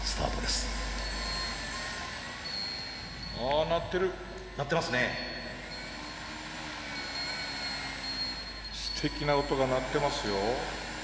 すてきな音が鳴ってますよ。